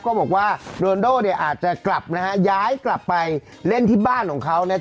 ก็บอกว่าโรนโด่เนี่ยอาจจะกลับนะฮะย้ายกลับไปเล่นที่บ้านของเขาเนี่ย